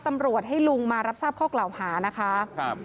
ตำรวจให้ลุงมารับทราบข้อกล่าวหานะคะครับ